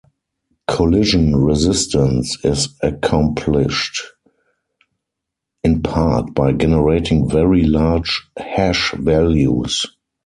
Collision resistance is accomplished in part by generating very large hash values.